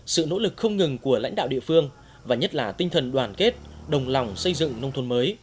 sự nỗ lực không ngừng của lãnh đạo địa phương và nhất là tinh thần đoàn kết đồng lòng xây dựng nông thôn mới